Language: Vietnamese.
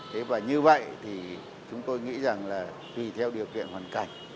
thế và như vậy thì chúng tôi nghĩ rằng là tùy theo điều kiện hoàn cảnh